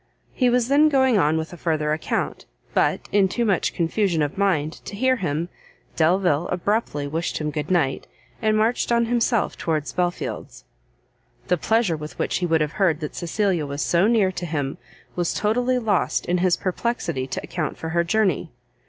He was then going on with a further account, but, in too much confusion of mind to hear him Delvile abruptly wished him good night, and marched on himself towards Belfield's. The pleasure with which he would have heard that Cecilia was so near to him, was totally lost in his perplexity to account for her journey.